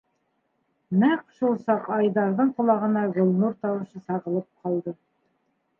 Нәҡ шул саҡ Айҙарҙың ҡолағына Гөлнур тауышы сағылып ҡалды.